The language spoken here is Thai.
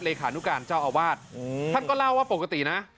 ขานุการเจ้าอาวาสท่านก็เล่าว่าปกตินะ